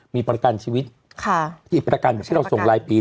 มีประกันชีวิตที่ประกันที่เราส่งรายปี